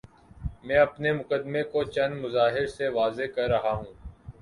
میں اپنے مقدمے کو چند مظاہر سے واضح کر رہا ہوں۔